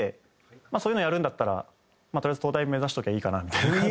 まあそういうのやるんだったらとりあえず東大目指しときゃいいかなみたいな感じ。